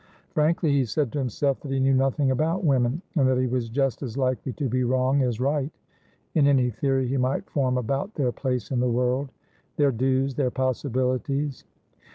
Frankly he said to himself that he knew nothing about women, and that he was just as likely to be wrong as right in any theory he might form about their place in the world, their dues, their possibilities.